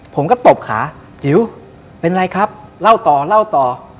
ผมก็ตบขาจิ๋วเป็นไรครับเล่าต่อเล่าต่อ